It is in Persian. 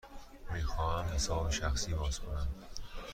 می خواهم حساب شخصی باز کنم.